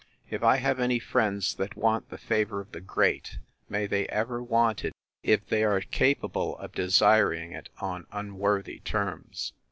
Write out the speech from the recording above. If I have any friends that want the favour of the great, may they ever want it, if they are capable of desiring it on unworthy terms!